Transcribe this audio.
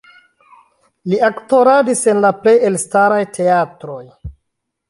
Li aktoradis en la plej elstaraj teatroj.